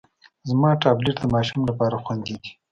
زما ټابلیټ د ماشوم لپاره خوندي دی.